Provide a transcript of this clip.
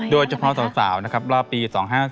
โดยเฉพาะสาวนะครับรอบปี๒๕๖